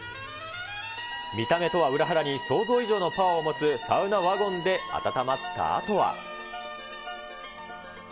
見た目とは裏腹に想像以上のパワーを持つサウナワゴンで暖まったあとは。